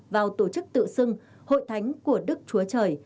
vào tổ chức tự xưng hội thánh của đức chúa trời